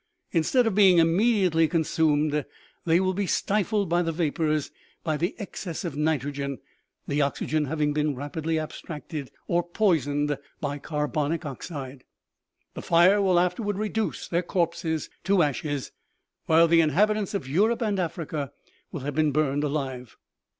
Instead of being immediately consumed, they will be stifled by the vapors, by the excess of nitrogen the oxygen having been rapidly abstracted or poisoned by carbonic oxide ; the fire will afterwards reduce their corpses to ashes, while the inhabitants of Europe and Africa will have been burned alive.